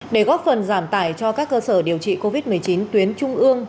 để góp phần giảm tải cho các cơ sở điều trị covid một mươi chín tuyến trung ương